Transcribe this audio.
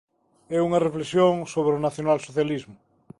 É unha reflexión sobre o nacionalsocialismo.